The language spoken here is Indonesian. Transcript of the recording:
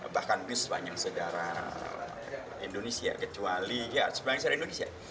bahkan lebih sepanjang sejarah indonesia kecuali ya sebenarnya indonesia